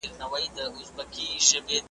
کشکي ستا په خاطر لمر وای راختلی .